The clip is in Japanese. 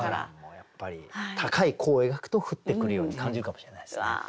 やっぱり高い弧を描くと降ってくるように感じるかもしれないですね。